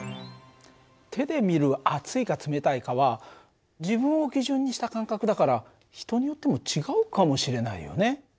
手で見る熱いか冷たいかは自分を基準にした感覚だから人によっても違うかもしれないよね。